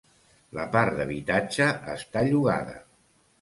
La part d'habitatge està llogada.